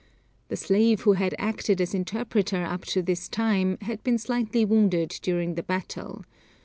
The slave who had acted as interpreter up to this time had been slightly wounded during the battle.